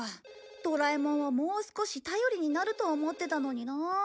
ドラえもんはもう少し頼りになると思ってたのにな。